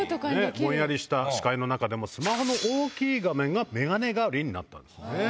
ぼんやりした視界の中でもスマホの大きい画面が眼鏡代わりになったんです。